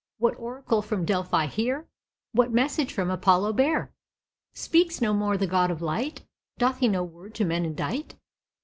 What oracle from Delphi hear? What message from Apollo bear? Speaks no more the god of light? Doth he no word to men indite?